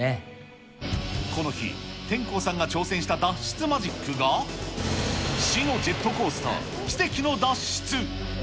この日、天功さんが挑戦した脱出マジックが死のジェットコースター奇跡の脱出！